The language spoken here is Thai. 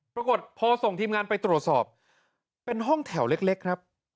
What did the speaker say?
ปรากฏพอส่งทีมงานไปตรวจสอบเป็นห้องแถวเล็กครับ